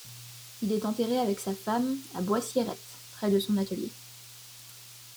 Il est enterré avec sa femme à Boissiérette près de son atelier.